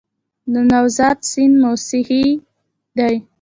د نوزاد سیند موسمي دی